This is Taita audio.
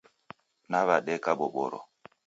Naw'adeka boboro.